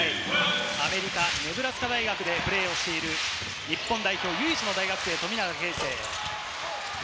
アメリカのネブラスカ大学でプレーしている日本代表唯一の大学生、富永啓生です。